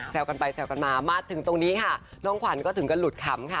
กันไปแซวกันมามาถึงตรงนี้ค่ะน้องขวัญก็ถึงกันหลุดขำค่ะ